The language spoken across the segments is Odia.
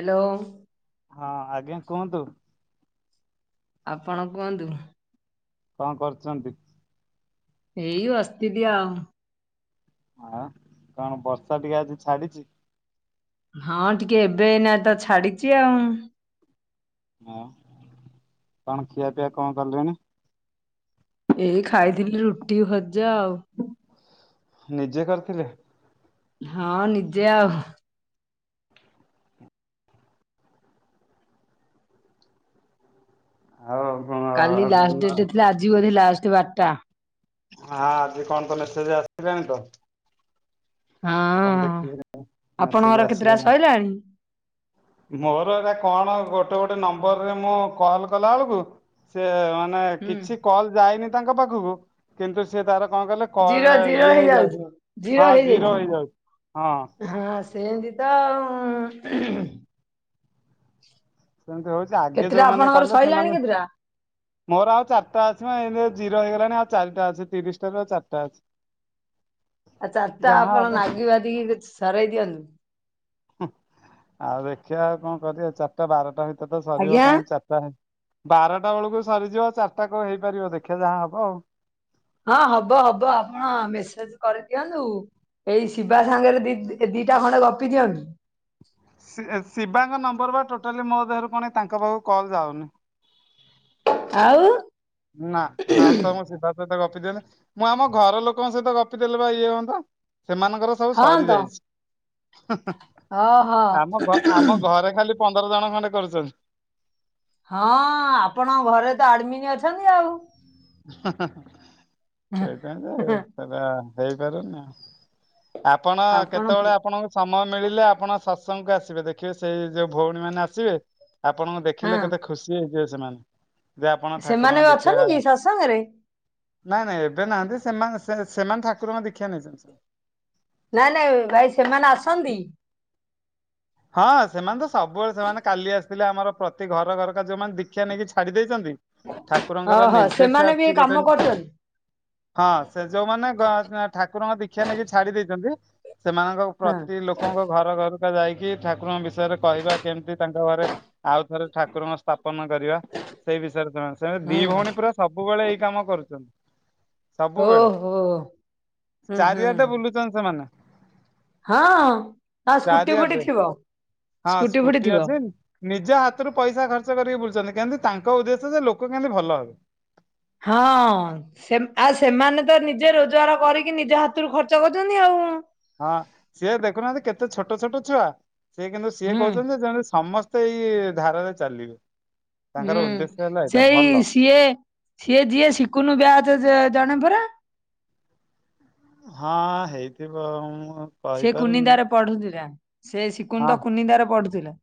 ହାଲୋ? ହଁ ଆଜ୍ଞା କୁହନ୍ତୁ। ଆପଣ କୁହନ୍ତୁ। କଣ କରଚନ୍ତି? ଏଇ ବସଥିଲି ଆଉ। ଆଉ କଣ ବର୍ଷା ଟିକେ ଆଜି ଛାଡିଚି? ହଁ ଟିକେ ଏବେ ନାଇ ତ ଛାଡିଚି ଆଉ। ହଁ କଣ ଖିଆପିଆ କଣ କଲେଣି? ଏଇ ଖାଇଥିଲି ରୁଟି ଭଜା ଆଉ। ନିଜେ କରିଥିଲେ? ହଁ ନିଜେ ଆଉ। ଆଉ କ କାଲି ଲାଷ୍ଟ ଡେଟ୍ ଥିଲା ଆଜିିବୋଧେ ଲାଷ୍ଟ ବାରଟା। ହାଁ ଆଜି କଣ ତ ମେସେଜେ ଆସିିଲାଣି ତ। ଆପଣ ହଁ ଦେଖିବେ ଯେଉଁ ମେସେଜ ଆପଣଙ୍କର କେତେଟା ଆସିଗଲାଣି। ସଇଲାଣି? ମୋର ଏରା କଣ ଗୋଟେ ଗୋଟେ ନମ୍ବରରେ ମୁଁ କଲ କଲା ବେଳକୁ ସେ ମାନେ ହୁଁ କିଛି କଲ ଯାଇନି ତାଙ୍କ ପାଖକୁ କିନ୍ତୁ ସେ ତାର କଣ କହିଲେ ଜିରୋ କଲରା ଜିରୋ ଇଏ ହେଇଯାଉ ହେଇଯାଉଥିବ ହଁ ଜିରୋ ହେଇଯାଇଥିବ। ହେଇଯାଉଚି ହଁ। ହଁ ସେମତି ତ ଆଉ ସେମତି ହୋଉଚି ଆଗେ କେତେଟା ଯୋଉମାନେ ଆପଣଙ୍କର କଲେ ସଇଲାଣି ସେମାନେ କେତେଟା? ମୋର ଆଉ ଚାରଟା ଅଛି ମ ଏମତି ଜିରୋ ହେଇଗଲାଣି ଆଉ ଚାରିଟା ଅଛି ତିରିଶଟାରୁ ଆଉ ଚାରିଟା ଅଛି। ଆଉ ଚାରିଟା ଯାହା ଆପଣ ହବ ନାଗି ପାତିକି କିଛି ସରେଇ ଦିଅନ୍ତୁ। ହୁଁ ଆଉ ଦେଖିବା ଆଉ କଣ କରିବେ ଚାରିଟା ବାରଟା ଭିତରେ ତ ସରିବ ଆଜ୍ଞା। କାଇଁ ଚାରିଟା ହେ ବାରଟା ବେଳୁକୁ ସରିଯିବ ଚାରିଟା କୋଉ ହେଇପାରିବ ଦେଖିବା ଯାହା ହବ ଆଉ। ହଁ ହବ ହବ ଆପଣ ମେସେଜ କରିଦିଅନ୍ତୁ। ଏଇ ଶିବା ସାଙ୍ଗରେ ଦି ଦି ଏ ଦିଟା ଖଣ୍ଡେ ଗପି ଦିଅନ୍ତୁ। ଶି ଶିବାଙ୍କ ନମ୍ବର ପା ଟୋଟାଲି ମୋ ଦେହରୁ ପୁଣି ତାଙ୍କ ପାଖକୁ କଲ୍ ଯାଉନି। ଆଉ। ନା ନହେଲେ ତ ମୁଁ ଶିବା ସହିତ ଗପି ଦିଅନ୍ତି ମୁଁ ଆମ ଘର ଲୋକଙ୍କ ସହିତ ଗପି ଦେଲେ ପା ଇଏ ହୁଅନ୍ତା ସେମାନଙ୍କର ସବୁ ହଁ ସରି ତ ଯାଇଛି ହୁଁ ହୁଁ ହୁଁ ଓହୋ ଆମ ଘ ଆମ ଘରେ ଖାଲି ପନ୍ଦର ଜଣ ଖଣ୍ଡେ କରୁଚନ୍ତି। ହଁ ଆପଣଙ୍କ ଘରେ ତ ଆଡମିନି ଅଛନ୍ତି ଆଉ। ହୁଁ ହୁଁ ହୁଁ ସେଇଥି ପାଇଁ ତ ଆଉ ସେଟା ହେଇପାରୁନି ଆଉ। ଆପଣ କେତେବେଳେ ଆପଣଙ୍କୁ ସମୟ ମିଳିଲେ ଆପଣ ସତସଙ୍ଗକୁ ଆସିବେ ଦେଖିବେ ସେଇ ଯୋଉ ଭୋଉଣୀ ମାନେ ଆସିବେ ଆପଣଙ୍କୁ ହଁ ଦେଖିଲେ କେତେ ଖୁସି ହେଇଯିବେ ସେମାନେ ଯେ ଆପଣ ଠାକୁରଙ୍କ ଦୀକ୍ଷା ସାଙ୍ଗରେ ନାଇଁ ନାଇଁ ଏବେ ନାହାନ୍ତି ସେମା ସେ ସେମାନେ ଠାକୁରଙ୍କ ଦୀକ୍ଷା ନେଇଛନ୍ତି ସେମାନ। ନାଇଁ ନାଇଁ ଭାଇ ସେମାନେ ଆସନ୍ତି? ହଁ ସେମାନେ ତ ସବୁବେଳେ ସେମାନେ କାଲି ଆସିଥିଲେ ଆମର ପ୍ରତି ଘର ଘରକା ଯୋଉମାନେ ଦୀକ୍ଷା ନେଇକି ଛାଡି ଦେଇଚନ୍ତି ଠାକୁରଙ୍କର ଓହୋ ନିର୍ଦ୍ଦେଶ ସେମାନେ ବି ଏଇ ଆସିଛି କାମ ଗୋଟେ ଲ୍ କରୁଛନ୍ତି। ହଁ, ସେ ଯୋଉଁ ମାନେ ଗ-ଠାକୁରଙ୍କ ଦୀ କ୍ଷା ନେଇକି ଛାଡି ଦେଇଛନ୍ତି। ସେମାନଙ୍କ ହଁ ପ୍ରତି ଲୋକଙ୍କ ଘର ଘରକା ଯାଇକି, ଠାକୁରଙ୍କ ବିଷ୍ ଷୟରେ କହିବା। କେମିତି ତାଙ୍କ ଘରେ ଆଉ ଥରେ, ଠାକୁରଙ୍କ ସ୍ଥାପନ କରିବା ସେଇ ବିଷୟରେ ତମେ। ସେ ଦି ହୁଁ ଭଉଣୀ ପୁରା ସବୁବେଳେ ଏଇ କାମ କରୁଛନ୍ତି। ସବୁବେଳେ, ଓହୋ ହୁଁ ହୁଁ ଚାରିଆଡ଼େ ବୁଲୁଚନ୍ତି ସେମାନେ। ହଁ, ଆଉ ସ୍କୁଟି ଫୁଟି ଚାରିଆଡେ ଥିବ? ହଁ, ଫୁଟି ସ୍କୁଟି ଥିବ। ଅଛି। ନିଜ ହାତରୁ ପଇସା ଖର୍ଚ୍ଚ କରିକି ବୁଲୁଛନ୍ତି। କେମତି ତାଙ୍କ ଉଦ୍ଦେଶ୍ୟ ଯେ ଲୋକ କେମିତି ଭଲ ହେବେ? ହଁ। ସେମ୍ ଆ-ସେମାନେ ତ ନିଜେ ରୋଜଗାର କରିକି ନିଜେ ହାତରୁ ଖର୍ଚ୍ଚ କରୁଚନି ଆଉ। ହଁ, ସିଏ ଦେଖୁନାହାଁନ୍ତି, କେତେ ଛୋଟ ଛୋଟ ଛୁଆ। ସେ କିନ୍ତୁ ସିଏ ହୁଁ। କହୁଛନ୍ତି, ଯେ ଯେମତି ସମସ୍ତେ ତ ଏଇ ଧାରାରେ ଚାଲିବେ। ହୁଁ, ତାଙ୍କର ଉଦ୍ଦେଶ୍ୟ ହେଲା ଏଇଟା ସେଇ ଭଲ। ସିଏ, ସିଏ ଯିଏ ସିକୁନୁ ବ୍ୟାଚ୍ ଜଣେ ପରା! ହଁ, ହେଇଥିବ ଉମ। ସେ କୁନିନ୍ଦାରେ ପଢୁଥିଲା। ସେ ସିକୁନ୍ ହଁ ତ କୁନିନ୍ଦାରେ ପଢୁଥିଲା।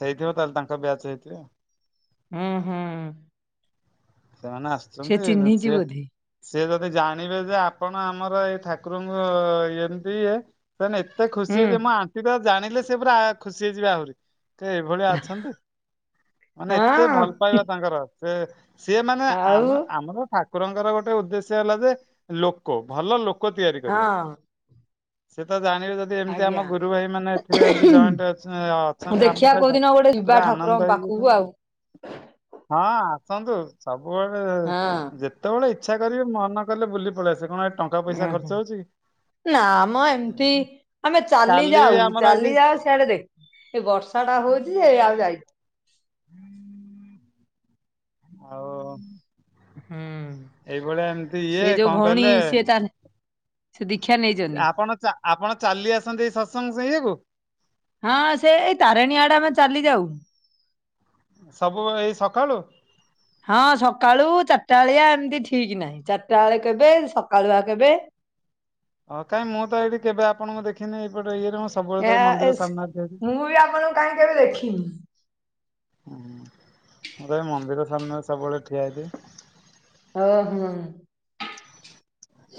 ହେଇଥିବ ତାହେଲେ, ତାଙ୍କ ବ୍ୟାଚ୍ ହେଇଥିବ। ହୁଁ ହୁଁ। ସେମାନେ ସେ ଆସୁଚନ୍ତି, ଚିହ୍ନିଛି ସିଏ ବୋଧେ ସିଏ ଯଦି ଜାଣିବେ ଯେ, ଆପଣ ଆମର ଏଇ ଠାକୁରଙ୍କୁ ଏମିତି ଇଏ ସେ ମାନେ ଏତେ ଖୁସି ହୁଁ। ହେଇଯିବେ, ମୋ ଆଣ୍ଟି ତ ଜାଣିଲେ, ସେ ପୁରା ଖୁସି ହେଇଯିବେ ଆହୁରି। ସେ ଏଇଭଳିଆ ଅଛନ୍ତି। ମାନେ ହଁ ଏତେ ଭଲ ପାଇବା ତାଙ୍କର। ସେ ସିଏ ମାନେ ଆଉ ଆମ ଆମର ଠାକୁରଙ୍କର ଗୋଟେ ଉଦ୍ଦେଶ୍ୟ ହେଲା ଯେ, ଲୋକ ଭଲ ଲୋ ଲୋକ ତିଆରି କରିବା। ହଁ ସେ ତ ଜାଣିରେ ଯତ ଏମିତି ଆଜ୍ଞା। ଆମ ଗୁରୁ ଭାଇ ମାନେ ଏଥିରେ ଏମତି ଜଏଣ୍ଟ ଅଛ- ଅଛନ୍ତି ଆମ ସହିତ, ପୁରା ଆନନ୍ଦ ହେଇ କୁହୁ ଆଉ। ହଁ, ଆସନ୍ତୁ। ସବୁବେଳେ-ଏ ହଁ। ଯେତ୍ ଯେତେବେଳେ ଇଚ୍ଛା କରିବେ, ମନ କଲେ ବୁଲି ପଳେଇ ଆସିବେ। କଣ ଏ ଟଙ୍କା ପଇସା ହଁ। ଖର୍ଚ୍ଚ ହଉଚି କି? ନା ମ ଏମିତି, ଆମେ ଚାଲି କାଲି ବି ଯାଉ, ଆମର ଏଇଠି ଚାଲି ଯାଉ ସେ ଆଡେ ଦେଖ! ଏଇ ବର୍ଷା ଟା ହଉଚି ଯେ ଆଉ ଯାଇ ଆଉ ହୁଁ। ଏଇଭଳିଆ ଏମିତି ଇଏ, ସେ ଯୋଉ କଣ ଭଉଣୀ କହିଲେ ସିଏ ତା ସେ ଦୀକ୍ଷା ନେଇଚ ଆପଣ ଚା ଆପଣ ଚାଲି ଆସନ୍ତି, ଏ ସତ୍ସଙ୍ଗ ଶୁଇଆକୁ। ହଁ, ସେ ଏଇ ତାରିଣୀ ଆଡେ ଆମେ ଚାଲି ଯାଉ। ସବୁ ଏଇ ସକାଳୁ! ହଁ, ସକାଳୁ ଚାରିଟା ଆଳିଆ ଏମିତି ଠିକ୍ ନାହିଁ। ଚାରିଟା ଏଳେ କେବେ, ସକାଳୁଆ କେବେ? ହଁ, କାଇଁ ମୁଁ ତ ଏଇଠି କେବେ ଆପଣଙ୍କୁ ଦେଖିନି? ଏଇପଟେ ଇଏରେ ମୁଁ ସେ ଏଆ ଇସ୍ ମୁଁ, ବି ଆପଣଙ୍କୁ କାହିଁ କେବେ ଦେଖିନି? ହୁଁଁ, ମୁଁ ତ ଏଇ ମନ୍ଦିର ସାମ୍ନାରେ ସବୁବେଳେ ଠିଆ ହେଇଥାଏ। ଓ, ହଁ!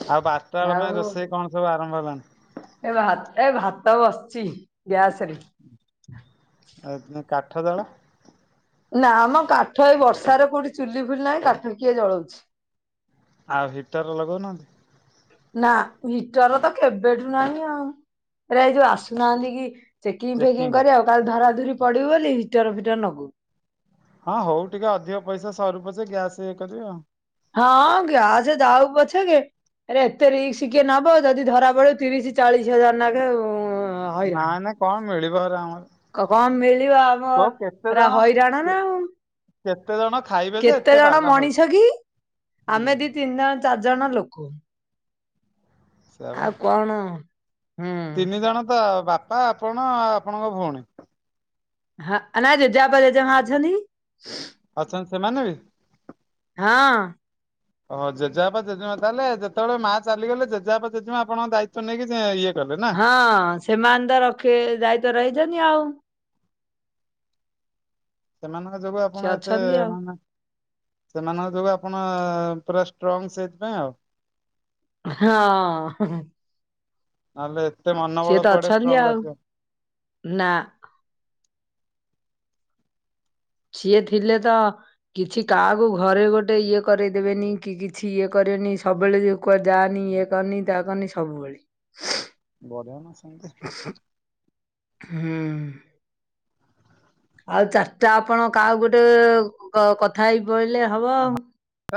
ଆଉ, ବାରଟା ବେଳ ପାଇଁ ରୋଷେଇ କଣ ସବୁ ଆରମ୍ଭ ହେଲାଣି? ଏ ଭା, ଏ ଭାତ ବସିଛି ଗ୍ୟାସ୍ ରେ। ଆ ଏ ଦିନ କାଠ ଜାଳ ନାଁ, ମ କାଠ ଏ ବର୍ଷାରେ କୋଉଠି ଚୁଲି ଫୁଲି ନାହିଁ, କାଠ କିଏ ଜଳଉଛି? ଆଉ ହିଟର ଲଗଉନାହାଁନ୍ତି? ନା ହିଟର ତ କେବେଠୁ ନାହିଁ ଆଉ। ଏରା ଏ ଯୋଉ ଆସୁନାହାଁନ୍ତି କି ଚେକିଙ୍ଗ ଚେକିଂ ଫେକିଂ କରିଆକୁ କାଳେ ଧରାଧୁରି ପଡିବୁ ବୋଲି ହିଟର ଫିଟର ନଗଉ ହଁ, ହଉ ଟିକେ ଅଧିକ ପଇସା ସରୁ ପଛେ ଗ୍ୟାସ୍ ଇଏ କରିବି ଆଉ। ହଁ, ଗ୍ୟାଛ ଯାଉ ପଛକେ ଆରେ ଏତେ ରିକ୍ସ କିଏ ନବ? ଯଦି ଧରା ପଡିବ ତିରିଶ ଚାଳିଶ ହଜାର ନାଖେ ଆଉ। ନାଇ ନାଇ କଣ ମିଳିବ ହେରା ଆମର? କ କ କଣ ମିଳିବ ଆମ କୋଉ କେତେ ରା ଜଣ ହଇରାଣ ନା କେ- ଆଉ। କେତେ ଜଣ ଖାଇବେ ଯେ ଏତେ କେତେ ଜଣ ପାଲା ହଉଛି ମଣିଷ କି? ହୁଁ ଆମେ ଦି ତିନି ଜଣ ଚାରି ଜଣ ଲୋକ। ସେୟା ବା। ଆଉ କଣ? ହୁଁ। ତିନି ଜଣ ତ ବାପା, ଆପଣ, ଆଉ ଆପଣଙ୍କ ଭଉଣୀ। ହଁ ଆ ନାଇ ଜେଜେ ବାପା ଜେଜେ ମାଆ ଅଛନ୍ତି। ଅଛନ୍ତି ସେମାନେ ବି? ହଁ। ଓହୋ ଜେଜେବାପା ଜେଜେ ମାଆ ତାହେଲେ ଯେତେବେଳେ ମା ଚାଲିଗଲେ ଜେଜେବାପା ଜେଜେ ମା ଆପଣଙ୍କ ଦାୟିତ୍ୱ ନେଇକି ଯେ ଇଏ। କଲେ ନା? ହଁ ସେମାନେ ତ ରଖି ଦାୟିତ୍ୱ ରେ ରହିଛନ୍ତି ଆଉ। ସେମାନଙ୍କ ଯୋଗୁ ସେ ଆପଣ ଏତେ ଅଛନ୍ତି ଆଉ ମାନେ ସେମାନଙ୍କ ଯୋଗୁ ଆପଣ ପୁରା ଷ୍ଟ୍ରଙ୍ଗ ସେଇଥିପାଇଁ ଆଉ। ହଁ, ହୁଁ ହୁଁ। ନହେଲେ ଏତେ ମନ ବଳ ତ କୁଆଡେ ଅଛନ୍ତି ଷ୍ଟ୍ରଙ୍ଗ ଆଉ ଆସିବ? ନା। ସିଏ ଥିଲେ ତ କିଛି କାହାକୁ ଘରେ ଗୋଟେ ଇଏ କରେଦେବେନି କି କିଛି ଇଏ କରିବେନି। ସବୁବେଳେ ଯ କୁଆ ଯାନି ଇଏ କରନି ତା କରନି ସବୁବେଳେ। ବଢିଆ ନା ସେମିତି। ଉଁହୁଁ ହୁଁ। ଆଉ ଚାର୍ଟା ଆପଣ କାଆକୁ ଗୋଟେ କ କଥା ହେଇ ପଳିଲେ ହବ ଆଉ।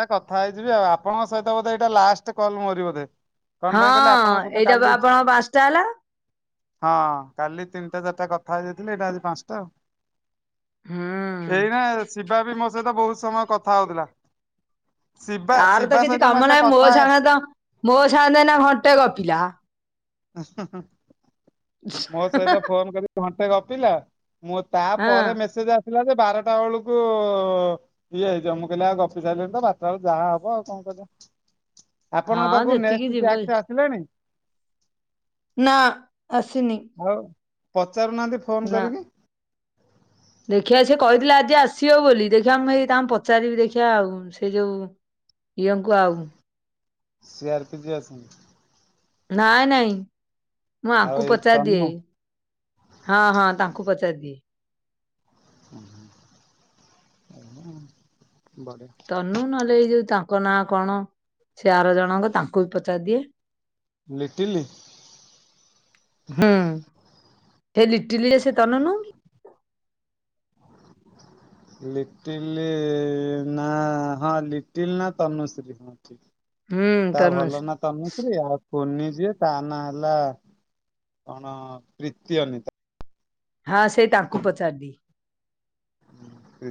ଏ କଥା ହେଇଯିବି ଆଉ, ଆପଣଙ୍କ ସହିତ ବୋଧେ ଏଇଟା ଲାଷ୍ଟ୍ କଲ୍ ମୋରି ବୋଧେ। କଣ ହଁ ପାଇଁ କହିଲେ ଆପଣଙ୍କ ସହିତ ଏଇଟା କାଲି ବା ଆପଣଙ୍କ ପାସ୍ଟା ହେଲା। ହଁ କାଲି ତିନିଟା ଚାରିଟା କଥା ହେଇ ଯାଇଥିଲେ ଏଇଟା ଆଜି ପାଞ୍ଚଟା ଆଉ। ହୁଁ। ଏଇନା ଶିବା ବି ମୋ ସହିତ ବହୁତ ସମୟ କଥା ହଉଥିଲା। ଶିବା ତାର ତ ଶିବା କିଛି ସହିତ ମୁଁ କାମ ଏତେ ନାହିଁ ମୋ କଥା ସାଙ୍ଗେ ତ ମୋ ସାଙ୍ଗେନା ଘଣ୍ଟେ ଗପିଲା। ଉଁ ହୁଁ, ମୋ ସହିତ ଫୋନ କରିକି ଘଣ୍ଟେ ଗପିଲା। ମୁଁ ହଁ। ତାପରେ ମେସେଜ ଆସିଲା ଯେ ବାରଟା ବେଳକୁ ଇଏ ହେଇଯିବ ମୁକିଲି ଆଉ ଗପି ସାରିଲଣି ତ ବାଟ ବେଳୁ ଯାହା ହବ ଆଉ କଣ କରିବା? ଆପଣଙ୍କ ହଁ ପାଖକୁ ଯେତିକି ନେକ୍ସଟ୍ ଯିବ ଟାସ୍କ ଆସିଲାଣି? ନାଁ ଆସିନି। ଆଉ ପଚାରୁନାଆନ୍ତି ଫୋନ୍ କରିକି। ଦେଖିଆ ସିଏ କହିଥିଲା ଆଜି ଆସିଅ ବୋଲି ଦେଖିଆ ମୁଁ ଏଇ ତାଙ୍କ ପଚାରିବି ଦେଖିଆ ଆଉ। ସେ ଯୋଉ ୟଙ୍କୁ ଆଉ। ସିଆର୍ପି ଯେ ଅଛନ୍ତି। ନାଏ ନାଇଁ ମୁଁ ଆଉ ଆଙ୍କୁ ଏଇ ପଚାର୍ ଦିଏ। ତନୁ ହଁ ହଁ ତାଙ୍କୁ ପଚାର୍ଦିଏ। ହୁଁ ଭଲ। ତନୁ ନଏଲେ ଏ ଯୋଉ ତାଙ୍କ ନାଁ କଣ? ସେ ଆର ଜଣଙ୍କ ତାଙ୍କୁ ବି ପଚାର୍ ଦିଏ। ଲିଟିଲି ହୁଁ ଏ ଲିଟ୍ଟିଲି ସେ ତନୁ ନୁହଁ କି? [inaudible] ଲିଟିଲି ନାଁ ହଁ ଲିଟିଲ୍ ନା ତନୁଶି ଦିଦି। ହୁଁ ତା ଭଲ ତନୁଶ୍ରୀ। ନା ତନୁ। ଇଏ କୁନି ଯିଏ ତା ନାଁ ଏଲା ଆଁ ପ୍ରୀତି ଅନୀତା। ହାଁ ସେ ତାଙ୍କୁ ପଚାର୍ନି। ପ୍ରି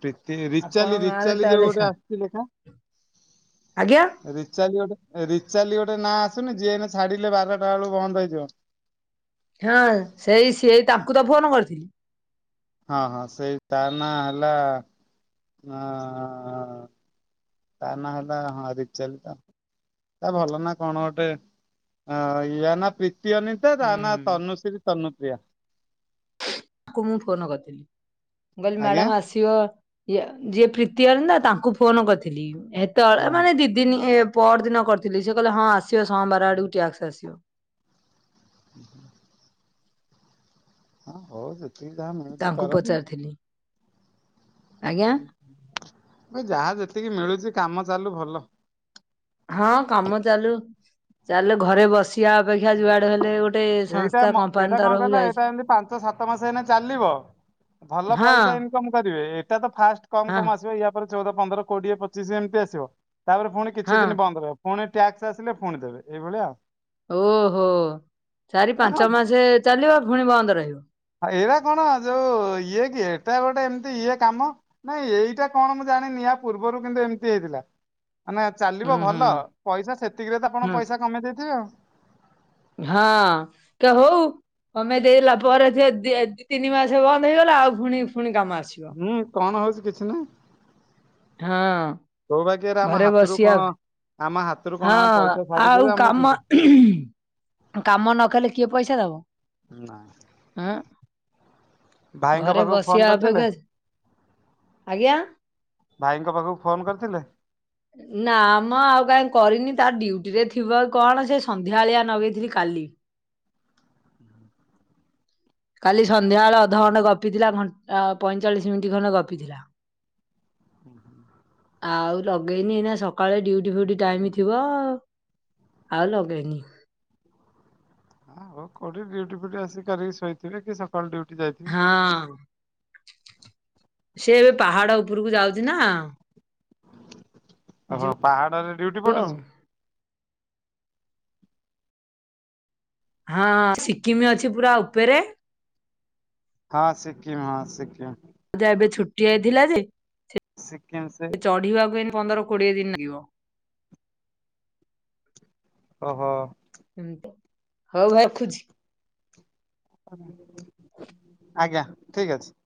ପ୍ରୀତ୍। ତି ରିଚାଲି ଆପଣଙ୍କ ଗାଁରେ ରିଚାଲି ଯୋଉ ତାହେଲେ ଗୋଟେ ଆସୁଛି ଲେଖା ଆଜ୍ଞା ରିଚାଲି ଗୋଟେ। ଏ ରିଚାଲି ଗୋଟେ ନାଁ ଆସୁନି ଯିଏ ଏଇନେ ଛାଡ଼ିଲେ ବାରଟା ବେଳୁ ବନ୍ଦ୍ ହେଇଯିବ। ହାଁ ସେଇ ସିଏ ତାଙ୍କୁ ତ ଫୋନ୍ କର୍ଥିଲି। ହଁ ହଁ ସେଇ ତା ନାଁ ହେଲା ଆଁ ତା ନାଁ ହେଲା ହଁ ରିଚାଲିତା। ତା ଭଲ ନାଁ କଣ ଗୋଟେ ଆ ୟା ନାଁ ପ୍ରୀତି ଅନି ୟା ତା ନା ହୁଁ। ତନୁଶ୍ରୀ ତନୁପ୍ରିୟା। ତାକୁ ମୁଁ ଫୋନ କରିଥିଲି, ମୁଁ କଇଲି ଆଜ୍ଞା ମ୍ୟାଡ଼ମ୍ ଆସି ଇଅ ଇଆ ଯିଏ ପ୍ରୀତି ଅନିତା ତାଙ୍କୁ ଫୋନ କର୍ଥିଲି ହେତେବଳେ ହଁ ମାନେ ଦିଦ୍ ଦିନି ଇଏ ପର୍ ଦିନ କର୍ଥିଲି ସିଏ କଇଲେ ହଁ ଆସିବ ସୋମବାର ଆଡ଼କୁ ଟ୍ୟାକ୍ସ ଆସିବ। ହୁଁ ହୁ। ହଁ ହଉ ଯେତିକି ଯାହା ମିଳୁଚି ତାଙ୍କୁ କରନ୍ତୁ। ପଚାରିଥିଲି ଆଜ୍ଞା। ଯେ ଯାହା ଯେତିକି ମିଳୁଚି କାମ ଚାଲୁ ଭଲ। ହାଁ କାମ ଚାଲୁ ଚାଲୁ ଘରେ ବସି ଟିଆ ଅପେକ୍ଷା ଯୁଆଡ଼େ ହେଲେ ଗୋଟେ ଏଇଟା ସଂସ୍ଥା ମ ଏଇଟା କମ୍ପାନୀ କଣ କହିଲ ତରଫରୁ ଏଇଟା ଆଇଚି। ଏମିତି ପାଞ୍ଚ ସାତ ମାସ ଏଇନା ଚାଲିବ। ଭଲ ପଇସା ଇନ୍କମ୍ କରିବେ, ଏଇଟା ତ ଫାଷ୍ଟ୍ କମ୍ ହଁ କମ୍ ଆସିବ ୟା ପରେ ଚଉଦ ପନ୍ଦ୍ର କୋଡ଼ିଏ ପଚିଶ୍ ଏମ୍ତି ଆସିବ, ତାପରେ ପୁଣି କିଛି ହଁ ଦିନ୍ ବନ୍ଦ୍ ରଇବ। ପୁଣି ଟ୍ୟାକ୍ସ୍ ଆସିଲେ ପୁଣି ଦେବେ ଏଇଭଳିଆ ଆଉ। ଓହୋ ଚାରି ଏରା କଣ ପାଞ୍ଚ ମାସେ ଚାଲିବ ପୁଣି ବନ୍ଦ ରହିବ। ଏଇଟା କଣ ଯୋଉ ଇଏ କି ଏଟା ଗୋଟେ ଏମିତି ଇଏ କାମ ନାଇଁ ଏଇଟା କଣ ମୁଁ ଜାଣିନି ଆ ପୂର୍ବରୁ କିନ୍ତୁ ଏମିତି ହେଇଥିଲା। ମାନେ ଚାଲିବ ହୁଁ ହୁଁ ଭଲ ପଇସା ସେତିକିରେ ତ ଆପଣ ହୁଁ ପଇସା କମେଇ ଦେଇଥିବେ ଆଉ। ହଁ କ ହଉ। କମେ ଦେଇଦଲା ପରେ ଯେ ଯେ ଦି ତିନି ମାସ ବନ୍ଦ ହେଇଗଲା ଆଉ ପୁଣି ଫୁଣି କାମ ଆସିବ। ହୁଁ କଣ ହଉଚି କିଛି ନାହିଁ। ହଁ କୌବାଗ୍ୟରେ ଆମ ଘରେ ହାତରୁ ବସିବା କଣ ଆମ ହାତ୍ ହଁ ଆଉ କାମ, କାମ ନକଲେ କିଏ ପଇସା ଦବ। ନାଁ। ଆ ଭାଇଙ୍କ ପାଖକୁ ଫୋନ୍ କର୍ଥିଲେ? ଅପେକ୍ଷା ଆଜ୍ଞା? ଭାଇଙ୍କ ପାଖକୁ ଫୋନ୍ କର୍ଥିଲେ? ନାଁ ଆମ ଆଉ କାଇଁ କରିନି ତା ଡ୍ୟୁଟି ରେ ଥିବ ଇ କଣ ସେ ସନ୍ଧ୍ୟାଆଳିଆ ନଗେଇଥିଲି କାଲି। କାଲି ସନ୍ଧ୍ୟାବେଳେ ଅଧଘଣ୍ଟେ ଗପି ଥିଲା, ଘନ୍ ପଇଁଚାଳିଶ୍ ମିନିଟ୍ ଖଣ୍ଡେ ଗପି ଥିଲା। ଆଉ ଲଗେଇନି ଏଇନେ ସକାଳେ ଡିଉଟି ଫ୍ୟୁଟି ଟାଇମ୍ ଥିବ ଆଉ ଲଗେଇନି। ହଁ ହଉ କରି ଡ୍ୟୁଟି ଫ୍ୟୁଟି ଆସିିକି କାରିକି ଶୋଇଥିବେ କି ସ କଣ ଡ୍ୟୁଟି ଯାଇ ହଁ ସେ ଏବେ ପାହାଡ ଉପରକୁ ଯାଉଚି ନା। ଓହୋ ଯିବ ପାହାଡରେ ଡ୍ୟୁଟି ଆଉ। ପଡୁଚି। ହଁ ସିକିମ ଅଛି ପୁରା ଉପେରେ। ହଁ ସିକିକିମ୍ ହଁ ସିକିକିମ୍। ଯା ଏବେ ଛୁଟି ହେଇଥିଲା ଯେ ସେ ଚଢିବାକୁ ଏବେ ପନ୍ଦର କୋଡିଏ ଦିନ ଲାଗିବ। ଓହୋ। ଏମତି ହଉ ରଖୁଚି। ଆଜ୍ଞା ଠିକ ଅଛି।